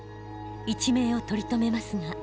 一命を取り留めますが。